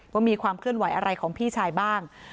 ว่ามีความเคลื่อนไหวอะไรของพี่ชายบ้าง